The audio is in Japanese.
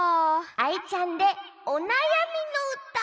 アイちゃんで「おなやみのうた」！